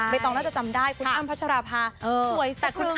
ไม่ต้องแล้วจะจำได้คุณอ้ำพัชรภาสวยสักลึง